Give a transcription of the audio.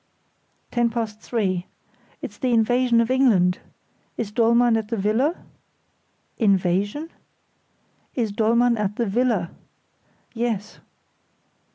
"Ten past three. It's the invasion of England! Is Dollmann at the villa?" "Invasion?" "Is Dollmann at the villa?" "Yes."